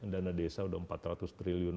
dana desa sudah empat ratus triliun